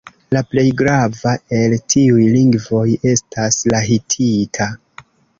La plej grava el tiuj lingvoj estas la hitita.